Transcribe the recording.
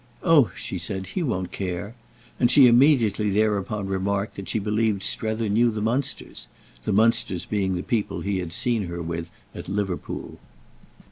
"Oh," she said, "he won't care!"—and she immediately thereupon remarked that she believed Strether knew the Munsters; the Munsters being the people he had seen her with at Liverpool.